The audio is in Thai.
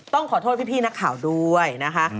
ต้องขอโทษพี่นักข่าวด้วยนะคะ